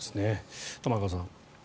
玉川さん。